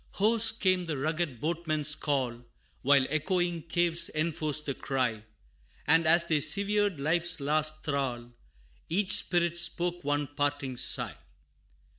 Hoarse came the rugged Boatman's call, While echoing caves enforced the cry And as they severed life's last thrall, Each Spirit spoke one parting sigh.